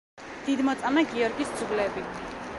დიდმოწამე გიორგის ძვლები.